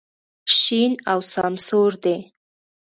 شین او سمسور دی.